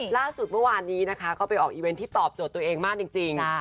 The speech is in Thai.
ล่าสุดเมื่อวานนี้นะคะเขาไปออกอีเวนต์ที่ตอบโจทย์ตัวเองมากจริง